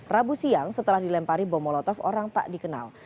rabu siang setelah dilempari bom molotov orang tak dikenal